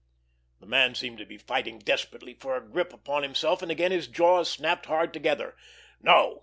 The man seemed to be fighting desperately for a grip upon himself, and again his jaws snapped hard together. "No!"